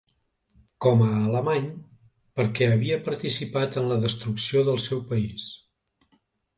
Com a alemany, perquè havia participat en la destrucció del seu país.